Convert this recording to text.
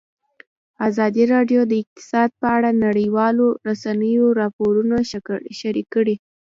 ازادي راډیو د اقتصاد په اړه د نړیوالو رسنیو راپورونه شریک کړي.